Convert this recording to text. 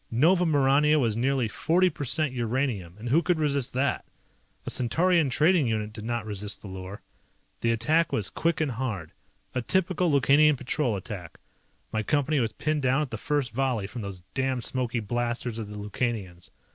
Nova Maurania was nearly 40 percent uranium, and who could resist that? A Centaurian trading unit did not resist the lure. The attack was quick and hard. A typical Lukanian Patrol attack. My Company was pinned down at the first volley from those damned smoky blasters of the Lukanians.